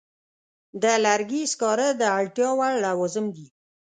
د لرګي سکاره د اړتیا وړ لوازم دي.